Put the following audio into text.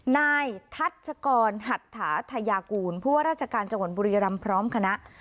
นายทัชกรหัตถาธยากูลผู้ว่าราชการจังหวัดบุรีรำพร้อมคณะ